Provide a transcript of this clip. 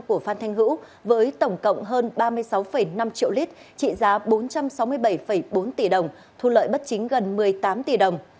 của phan thanh hữu với tổng cộng hơn ba mươi sáu năm triệu lít trị giá bốn trăm sáu mươi bảy bốn tỷ đồng thu lợi bất chính gần một mươi tám tỷ đồng